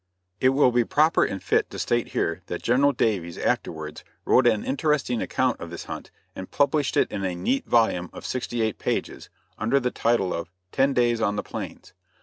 It will be proper and fair to state here that General Davies afterwards wrote an interesting account of this hunt and published it in a neat volume of sixty eight pages, under the title of "Ten Days on the Plains."